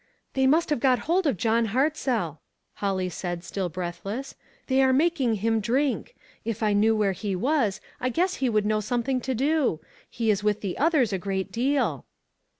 "They have got hold of John Hartzell," Holly said still breathless. " They are making him drink. If I knew where he was, I guess he would know something to do. He is with the others a great deal."